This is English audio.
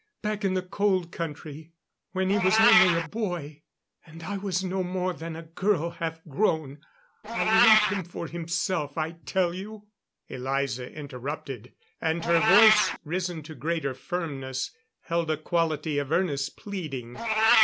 Back in the Cold Country. When he was only a boy and I was no more than a girl half grown. I love him for himself, I tell you " Elza interrupted; and her voice risen to greater firmness, held a quality of earnest pleading.